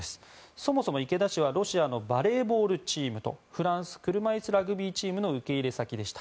そもそも池田市はロシアのバレーボールチームとフランス車いすラグビーチームの受け入れ先でした。